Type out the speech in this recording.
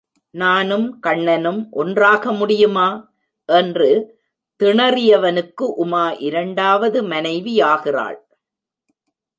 நானும் கண்ணனும் ஒன்றாக முடியுமா? என்று திணறியவனுக்கு உமா இரண்டாவது மனைவி யாகிறாள்.